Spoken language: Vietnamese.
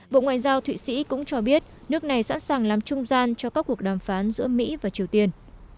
bộ ngoại giao thụy sĩ cũng cho biết nước này sẵn sàng làm trung gian cho các cuộc đàm phán giữa mỹ và triều tiên